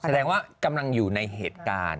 แสดงว่ากำลังอยู่ในเหตุการณ์